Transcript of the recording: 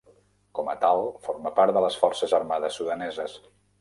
Com a tal, forma part de les Forces Armades Sudaneses.